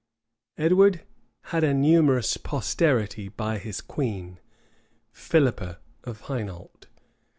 Edward had a numerous posterity by his queen, Philippa of Hainault.